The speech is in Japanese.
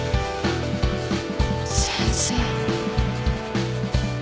先生。